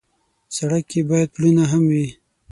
سړک کې باید پلونه هم وي.